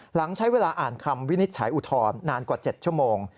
หลังใช้เวลาอ่านคำวินิจฉัยอุทธรณ์นานกว่า๗ชั่วโมง